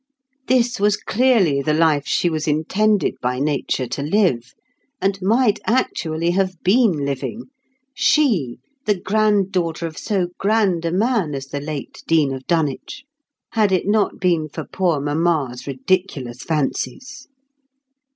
This was clearly the life she was intended by nature to live, and might actually have been living—she, the granddaughter of so grand a man as the late Dean of Dunwich—had it not been for poor Mamma's ridiculous fancies.